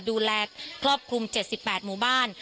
ดูแลกครอบคลุม๗๘หมู่บ้าน